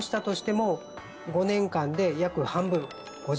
も